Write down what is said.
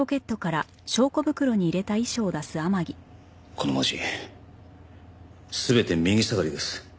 この文字全て右下がりです。